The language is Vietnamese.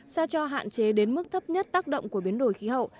sao cho hạn chế đến mức thấp nhất tác động của biến đổi khí hậu